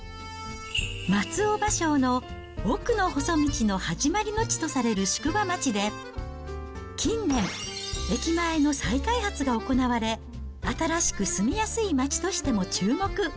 松尾芭蕉の奥の細道の始まりの地とされる宿場町で、近年、駅前の再開発が行われ、新しく住みやすい街としても注目。